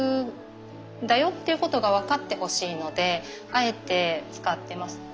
でのであえて使ってます。